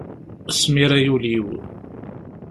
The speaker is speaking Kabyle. Smir ay ul-iw!